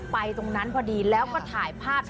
ตรงนั้นพอดีแล้วก็ถ่ายภาพ